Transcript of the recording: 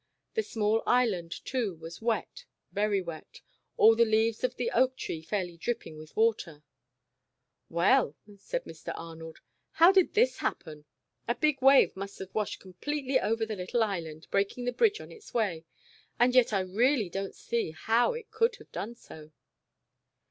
The small Island, too, was wet, very wet, all the leaves of the oak tree fairly dripping with water. ''Well," said Mr. Arnold, "how did this hap pen ? A big wave must have washed completely over the little Island, breaking the bridge on its way, and yet I really don't see how it could have done so."